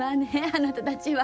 あなたたちは。